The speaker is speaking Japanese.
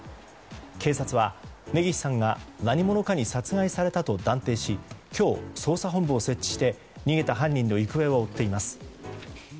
警察は、根岸さんが何者かに殺害されたと断定し今日、捜査本部を設置して逃げた犯人の行方を追っています。